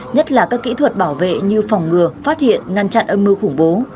nhất là các kỹ thuật bảo vệ như phòng ngừa phát hiện ngăn chặn âm mưu khủng bố